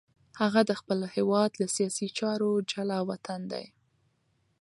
هغه د خپل هېواد له سیاسي چارو جلاوطن دی.